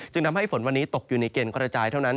ทำให้ฝนวันนี้ตกอยู่ในเกณฑ์กระจายเท่านั้น